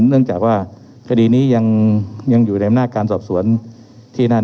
เนื่องจากว่าคดีนี้ยังอยู่ในอำนาจการสอบสวนที่นั่น